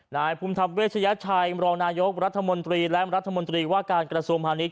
นายภูมิธรรมเวชยชัยมรองนายกรัฐมนตรีและรัฐมนตรีว่าการกระทรวงพาณิช